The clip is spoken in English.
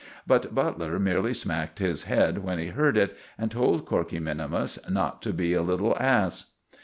But Butler merely smacked his head when he heard it, and told Corkey minimus not to be a little ass.